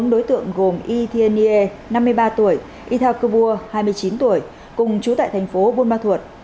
bốn đối tượng gồm y thiên nghê năm mươi ba tuổi y thao cư bua hai mươi chín tuổi cùng chú tại tp buôn ma thuột